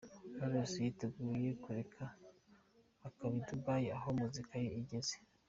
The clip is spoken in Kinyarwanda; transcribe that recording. Knowless yiteguye kwereka ababa i Dubai aho muzika ye igeze.